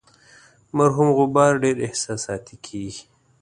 مرحوم غبار ډیر احساساتي کیږي.